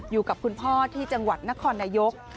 อยู่กับคุณพ่อที่จังหวัดนครนายก